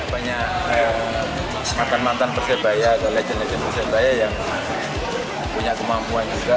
banyak mantan mantan persebaya atau legend legend persebaya yang punya kemampuan juga